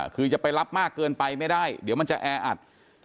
คือจะไปรับมากเกินไปไม่ได้เดี๋ยวมันจะแออัด